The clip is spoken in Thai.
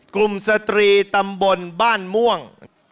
สตรีตำบลบ้านม่วง